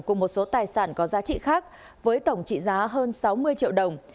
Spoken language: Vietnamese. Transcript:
cùng một số tài sản có giá trị khác với tổng trị giá hơn sáu mươi triệu đồng